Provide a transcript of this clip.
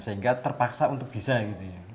sehingga terpaksa untuk bisa gitu ya